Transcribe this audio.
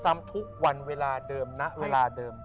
ซ้ำทุกวันเวลาเดิมนะเวลาเดิม